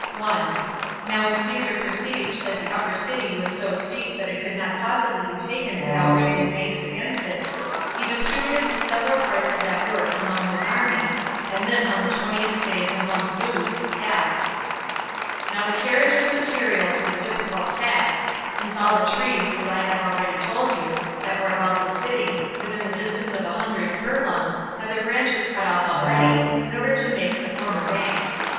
1. Now when Caesar perceived that the upper city was so steep that it could not possibly be taken without raising banks against it, he distributed the several parts of that work among his army, and this on the twentieth day of the month Lous [Ab]. Now the carriage of the materials was a difficult task, since all the trees, as I have already told you, that were about the city, within the distance of a hundred furlongs, had their branches cut off already, in order to make the former banks.